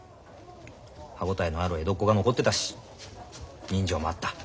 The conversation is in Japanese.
歯応えのある江戸っ子が残ってたし人情もあった。